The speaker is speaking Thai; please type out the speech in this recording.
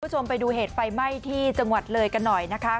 คุณผู้ชมไปดูเหตุไฟไหม้ที่จังหวัดเลยกันหน่อยนะคะ